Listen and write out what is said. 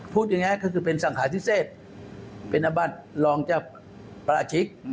พูดอย่างนี้ก็คือเป็นสังหาศิษฐ์เป็นอบัติลองจะประชิก